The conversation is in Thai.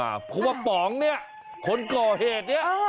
อ้าวคูยว่าป๋องเนี่ยคนก่อเหตุเนี่ยอ้อ